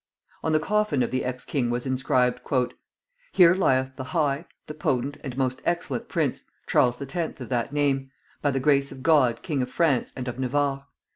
On the coffin of the ex king was inscribed, "Here lieth the High, the Potent, and most Excellent Prince, Charles Tenth of that name; by the Grace of God King of France and of Navarre.